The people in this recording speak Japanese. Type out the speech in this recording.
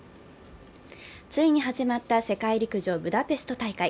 ついに始まった世界陸上ブダペスト大会。